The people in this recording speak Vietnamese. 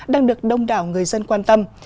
đang được đông đảo người dân quan tâm